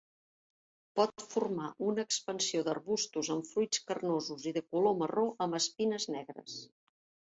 Pot formar una expansió d'arbustos amb fruits carnosos i de color marró amb espines negres.